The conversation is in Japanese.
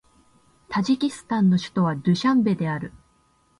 タジキスタンの首都はドゥシャンベである